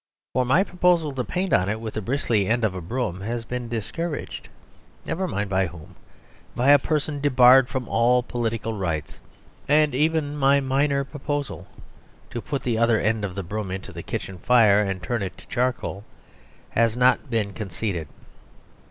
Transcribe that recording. For my proposal to paint on it with the bristly end of a broom has been discouraged never mind by whom; by a person debarred from all political rights and even my minor proposal to put the other end of the broom into the kitchen fire and turn it to charcoal has not been conceded.